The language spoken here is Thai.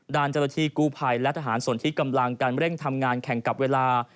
ด้านเจ้าหน้าที่กู้ภัยและทหารส่วนที่กำลังการเร่งทำงานแข่งกับเวลา